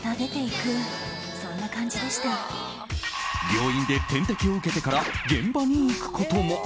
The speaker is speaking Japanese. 病院で点滴を受けてから現場に行くことも。